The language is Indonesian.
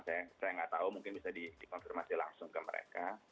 saya nggak tahu mungkin bisa dikonfirmasi langsung ke mereka